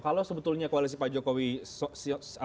kalau sebetulnya koalisi pak jokowi sosial apa sosial